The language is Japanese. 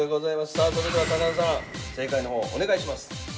さあ、それでは高田さん正解のほう、お願いします。